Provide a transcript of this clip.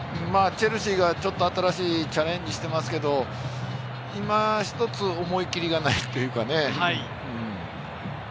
チェルシーがちょっと新しいチャレンジをしてますけど、今ひとつ思い切りがないというかね。